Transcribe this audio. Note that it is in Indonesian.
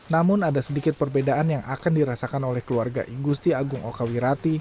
namun ada sedikit perbedaan yang akan dirasakan oleh keluarga igusti agung okawirati